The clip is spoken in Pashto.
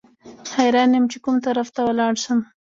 حیران یم چې کوم طرف ته ولاړ شم.